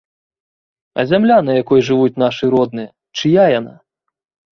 А зямля, на якой жывуць нашы родныя, чыя яна?